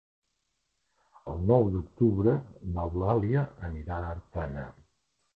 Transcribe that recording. El nou d'octubre n'Eulàlia anirà a Artana.